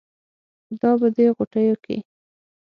خدا به دې ِغوټېو کې